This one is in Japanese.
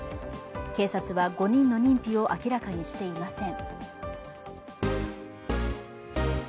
警察は５人の認否を明らかにしていません。